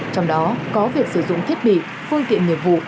trong đó có việc sử dụng thiết bị phương tiện nghiệp vụ